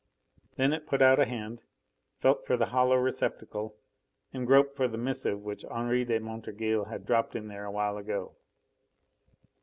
Then it put out a hand, felt for the hollow receptacle and groped for the missive which Henri de Montorgueil had dropped in there a while ago.